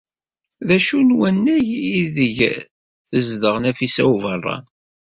D acu n wannag aydeg tezdeɣ Nafisa n Ubeṛṛan?